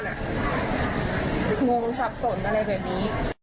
งงสับสนอะไรแบบนี้